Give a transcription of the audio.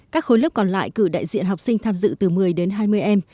các khối lớp còn lại cử đại diện học sinh tham dự từ một mươi đến hai mươi em